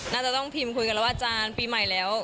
น่าจะต้องพิมพ์คุยกันแล้วว่าอาจารย์ปีใหม่แล้ว